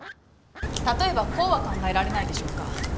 例えばこうは考えられないでしょうか。